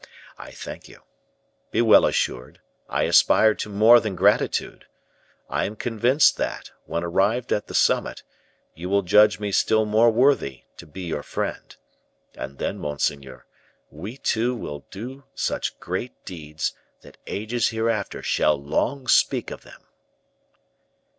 I thank you. Be well assured, I aspire to more than gratitude! I am convinced that, when arrived at the summit, you will judge me still more worthy to be your friend; and then, monseigneur, we two will do such great deeds, that ages hereafter shall long speak of them."